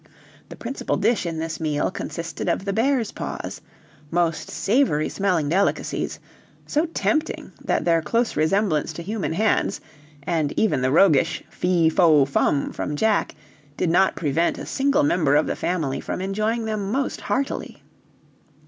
The principal dish in this meal consisted of the bears' paws most savory smelling delicacies, so tempting that their close resemblance to human hands, and even the roguish "Fee fo fum" from Jack, did not prevent a single member of the family from enjoying them most heartily.